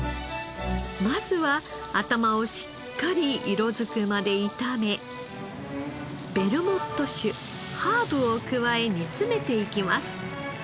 まずは頭をしっかり色づくまで炒めベルモット酒ハーブを加え煮詰めていきます。